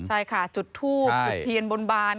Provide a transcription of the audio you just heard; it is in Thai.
ใช่ค่ะจุดทูบจุดเทียนบนบาน